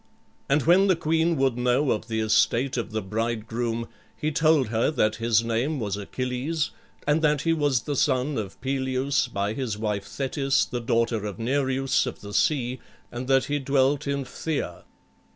And when the queen would know of the estate of the bridegroom he told her that his name was Achilles and that he was the son of Peleus by his wife Thetis, the daughter of Nereus of the sea, and that he dwelt in Phthia.